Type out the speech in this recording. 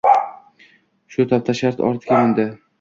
Shu topda shart otiga mindi